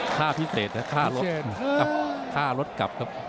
ค่าพิเศษนะค่ารถค่ารถกลับครับ